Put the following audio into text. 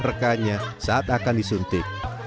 rekannya saat akan disuntik